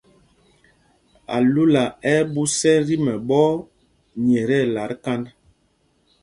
Álula ɛ́ ɛ́ ɓūs ɛ́ tí mɛɓɔ̄ nyɛ tí ɛlat kānd.